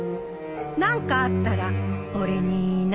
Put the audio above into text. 何かあったら俺に言いな